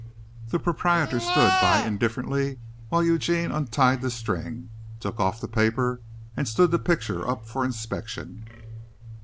The proprietor stood by indifferently while Eugene untied the string, took off the paper and stood the picture up for inspection.